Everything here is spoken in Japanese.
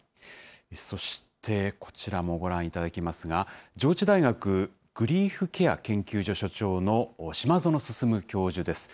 そして、こちらもご覧いただきますが、上智大学グリーフケア研究所所長の島薗進教授です。